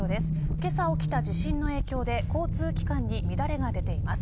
けさ起きた地震の影響で交通機関に乱れが出ています。